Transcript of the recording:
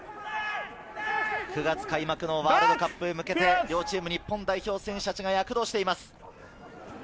９月開幕のワールドカップへ向けて両チーム、日本代表選手たちが躍動しています。